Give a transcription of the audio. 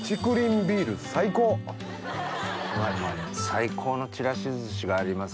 最高のちらし寿司があります